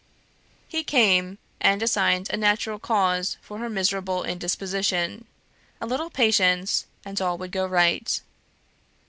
He came, and assigned a natural cause for her miserable indisposition; a little patience, and all would go right.